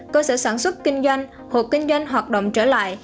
cơ sở sản xuất kinh doanh hộp kinh doanh hoạt động trở lại